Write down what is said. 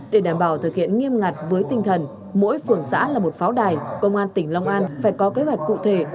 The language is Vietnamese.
để đảm bảo thực hiện nghiêm ngặt với tinh thần mỗi phường xã là một pháo đài công an tỉnh long an phải có kế hoạch cụ thể